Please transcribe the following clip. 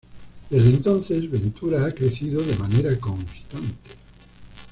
Desde entonces, Ventura ha crecido de manera constante.